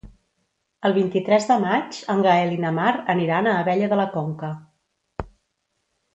El vint-i-tres de maig en Gaël i na Mar aniran a Abella de la Conca.